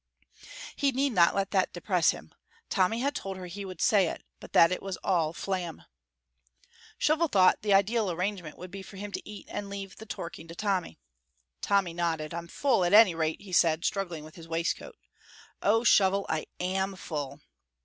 He need not let that depress him. Tommy had told her he would say it, but that it was all flam. Shovel thought the ideal arrangement would be for him to eat and leave the torking to Tommy. Tommy nodded. "I'm full, at any rate," he said, struggling with his waistcoat. "Oh, Shovel, I am full!"